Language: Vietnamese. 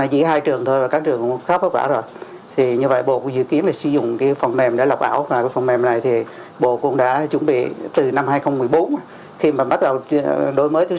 để giải quyết tình trạng này